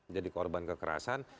jadi korban kekerasan